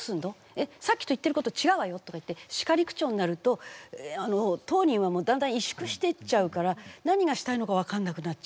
えっさっきと言ってること違うわよ」とかいって叱り口調になると当人はもうだんだん委縮してっちゃうから何がしたいのか分かんなくなっちゃう。